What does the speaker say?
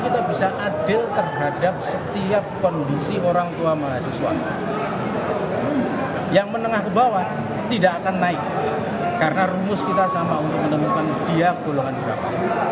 tidak akan naik karena rumus kita sama untuk menemukan dia golongan berapa